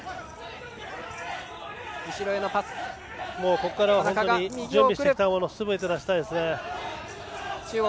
ここからは準備してきたものをすべて出したいですね。